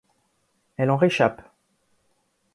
Elle en réchappe.